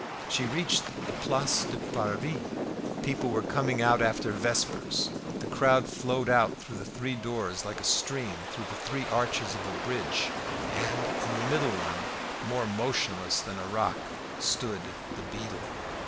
She reached the Place du Parvis. People were coming out after vespers; the crowd flowed out through the three doors like a stream through the three arches of a bridge, and in the middle one, more motionless than a rock, stood the beadle.